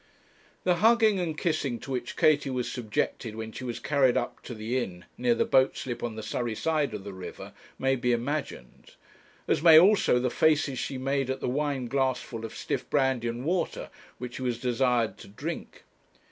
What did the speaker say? The hugging and kissing to which Katie was subjected when she was carried up to the inn, near the boat slip on the Surrey side of the river, may be imagined; as may also the faces she made at the wineglassful of stiff brandy and water which she was desired to drink.